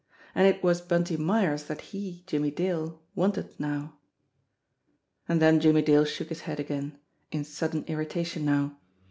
And it was Bunty Myers that he, Jimmie Dale, wanted now ! And then Jimmie Dale shook his head again in sudden irritation now.